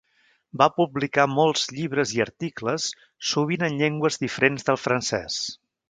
Va publicar molts llibres i articles, sovint en llengües diferents del francès.